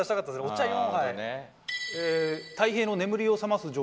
お茶４杯。